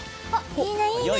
いいねいいね